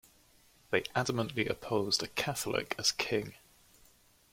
They adamantly opposed a Catholic as king.